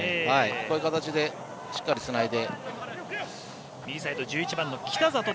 こういう形でしっかりつないで。